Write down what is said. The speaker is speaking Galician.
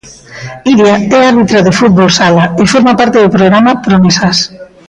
Iria é árbitra de fútbol sala e forma parte do programa 'Promesas'.